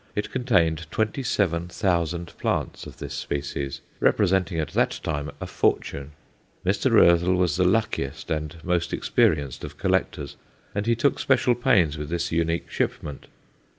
It contained twenty seven thousand plants of this species, representing at that time a fortune. Mr. Roezl was the luckiest and most experienced of collectors, and he took special pains with this unique shipment.